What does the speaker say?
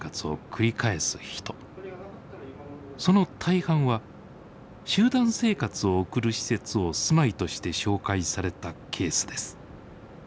その大半は集団生活を送る施設を住まいとして紹介されたケースです。